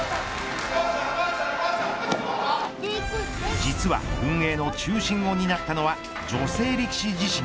実は運営の中心を担ったのは女性力士自身。